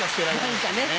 何かね。